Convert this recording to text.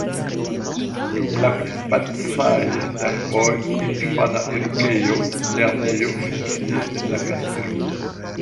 Dum la pli pacaj tempoj infana edukejo, lernejo funkciis en la kastelo.